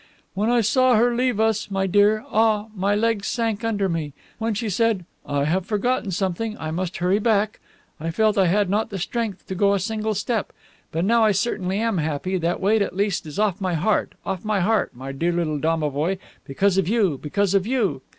When I saw her leave us, my dear, ah, my legs sank under me. When she said, 'I have forgotten something; I must hurry back,' I felt I had not the strength to go a single step. But now I certainly am happy, that weight at least is off my heart, off my heart, dear little domovoi, because of you, because of you."